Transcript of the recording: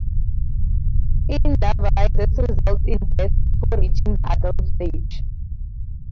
In larvae, this results in death before reaching the adult stage.